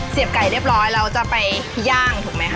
ไก่เรียบร้อยเราจะไปย่างถูกไหมคะ